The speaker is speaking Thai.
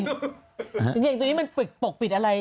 กางเกงตัวนี้มันปกปิดอะไร